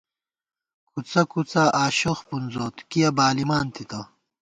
کُڅہ کُڅا آشوخ پُنزوت ، کِیَہ بالِمان تِتہ